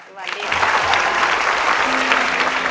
สวัสดีครับ